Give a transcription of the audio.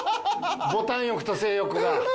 ボタン欲と性欲が。